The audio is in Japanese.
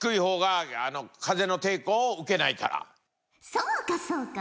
そうかそうか。